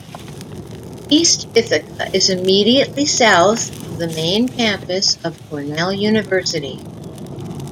East Ithaca is immediately south of the main campus of Cornell University.